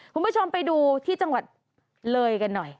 คุณผู้ชมไปดูที่จังหวัดเลยกันหน่อย